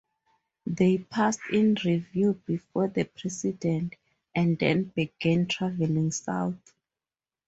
They passed in review before the President, and then began traveling south.